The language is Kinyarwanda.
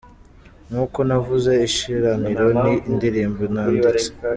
Nk’uko navuze, ishiraniro ni indirimbo ntanditse.